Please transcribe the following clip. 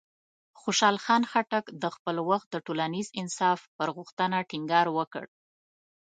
خوشحال خان خټک د خپل وخت د ټولنیز انصاف پر غوښتنه ټینګار وکړ.